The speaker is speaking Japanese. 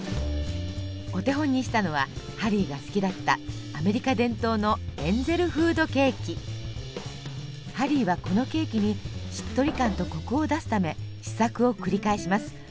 お手本にしたのはハリーが好きだったアメリカ伝統のハリーはこのケーキにしっとり感とコクを出すため試作を繰り返します。